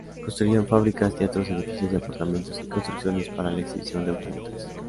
Construyeron fábricas, teatros, edificios de apartamentos y construcciones para la exhibición de automotores.